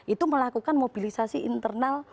itu melakukan mobilisasi internal